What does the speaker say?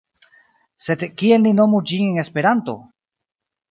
Sed kiel ni nomu ĝin en Esperanto?